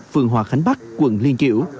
phường hòa khánh bắc quận liên chiểu